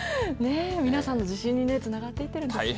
皆さんの自信につながっていってるんですね。